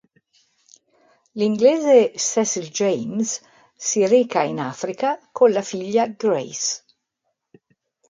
L'inglese Cecil James si reca in Africa con la figlia Grace.